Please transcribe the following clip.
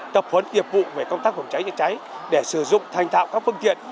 tập huấn nghiệp vụ về công tác phòng cháy chữa cháy để sử dụng thành thạo các phương tiện